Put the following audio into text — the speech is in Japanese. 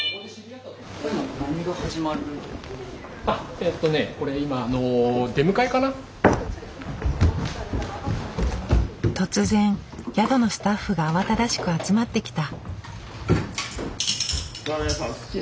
えっとねこれ今突然宿のスタッフが慌ただしく集まってきた。